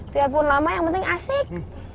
biarpun lama yang penting asik